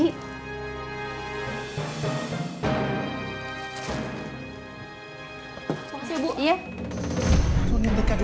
kenapa bawa dia kaya bu